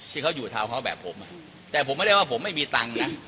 ที่เขาอยู่เท้าเขาแบบผมแต่ผมไม่ได้ว่าผมไม่มีตังค์นะ